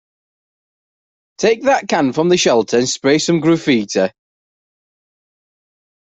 Take that can from the shelter and spray some graffiti.